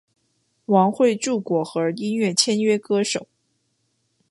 王汇筑果核音乐签约歌手。